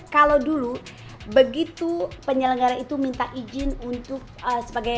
kalau dulu begitu penyelenggara itu minta izin untuk sebagai